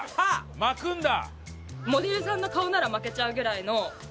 巻くんだ。